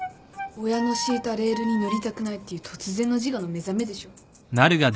親の敷いたレールに乗りたくないっていう突然の自我の目覚めでしょ。